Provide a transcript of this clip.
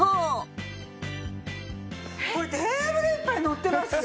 これテーブルいっぱい載ってますよ。